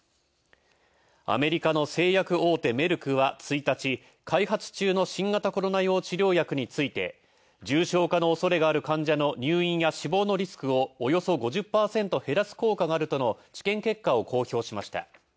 アメリカの製薬大手メルクは１日、開発中の新型コロナ用治療薬について重症化の恐れがある患者の入院や死亡のリスクをおよそ５０％減らす効果があるとの治験結果を公表しました。